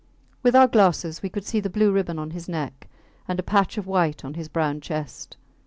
With our glasses we could see the blue ribbon on his neck and a patch of white on his brown chest.